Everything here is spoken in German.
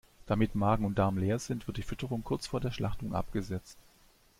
Damit Magen und Darm leer sind, wird die Fütterung kurz vor der Schlachtung abgesetzt.